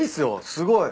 すごい。